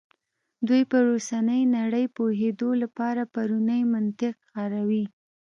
دوی پر اوسنۍ نړۍ پوهېدو لپاره پرونی منطق کاروي.